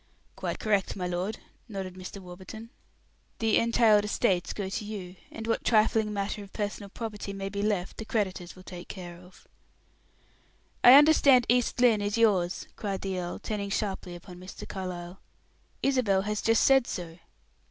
"Quite correct, my lord," nodded Mr. Warburton. "The entailed estates go to you, and what trifling matter of personal property may be left the creditors will take care of." "I understand East Lynne is yours," cried the earl, turning sharply upon Mr. Carlyle; "Isabel has just said so."